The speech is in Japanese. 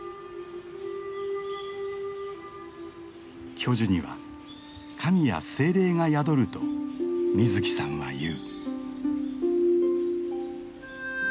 巨樹には神や精霊が宿ると水木さんは言う。